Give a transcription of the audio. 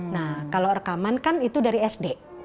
nah kalau rekaman kan itu dari sd